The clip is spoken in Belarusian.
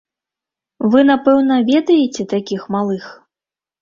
Вы, напэўна, ведаеце такіх малых.